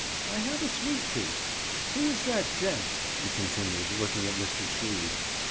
I have a sweet tooth. Who is that gent?' she continued, looking at Mr. Tweed.